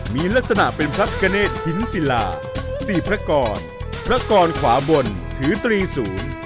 มีลักษณะเป็นพระพิกเนธหินศิลาสี่พระกรพระกรขวาบนถือตรีสูง